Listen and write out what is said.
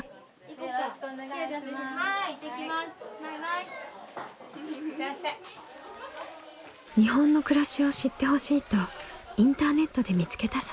日本の暮らしを知ってほしいとインターネットで見つけたそうです。